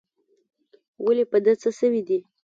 ولي په ده څه سوي دي؟